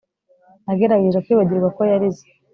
Nagerageje kwibagirwa ko yarize